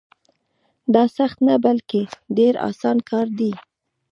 دا سخت نه بلکې ډېر اسان کار دی.